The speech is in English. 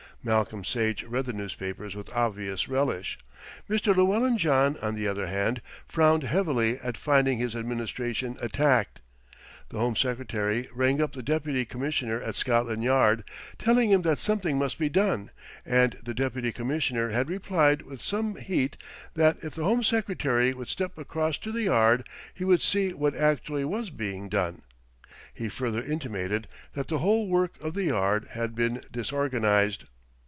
Malcolm Sage read the newspapers with obvious relish. Mr. Llewellyn John, on the other hand, frowned heavily at finding his administration attacked. The Home Secretary rang up the Deputy Commissioner at Scotland Yard, telling him that something must be done, and the Deputy Commissioner had replied with some heat that if the Home Secretary would step across to the Yard, he would see what actually was being done. He further intimated that the whole work of the Yard had been disorganised.